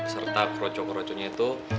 serta kroco kroconnya itu